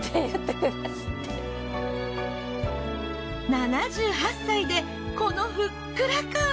７８歳でこのふっくら感。